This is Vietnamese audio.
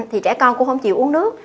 thì trẻ con cũng không chịu uống nước